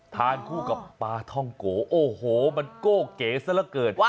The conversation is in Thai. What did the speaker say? ทานคู่กับปลาท่องโกโอ้โหมันโก้เก๋ซะละเกิน